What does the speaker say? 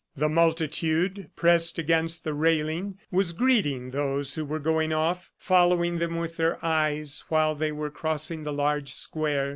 The multitude, pressed against the railing, was greeting those who were going off, following them with their eyes while they were crossing the large square.